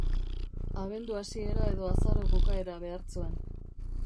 Abendu hasiera edo azaro bukaera behar zuen.